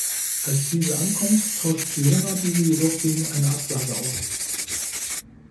Als diese ankommt, tauscht Fiona diese jedoch gegen eine Absage aus.